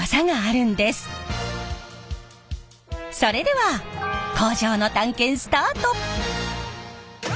それでは工場の探検スタート！